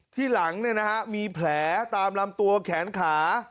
ที่หลังเนี่ยนะฮะมีแผลตามลำตัวแขนขา